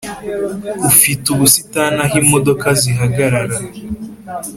Ufite ubusitani aho imodoka zihagarara.